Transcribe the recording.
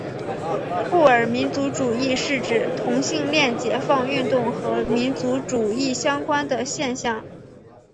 酷儿民族主义是指同性恋解放运动和民族主义相关的现象。